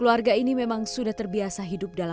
mudah mudahan bisa terwujud ya